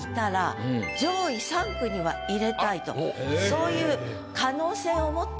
そういう。